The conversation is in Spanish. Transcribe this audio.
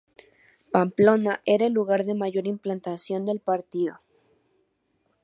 Pamplona era el lugar de mayor implantación del partido.